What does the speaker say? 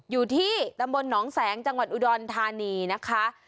อยู่ที่ตำบลหนองแสงจังหวัดอุดรธานีนะคะ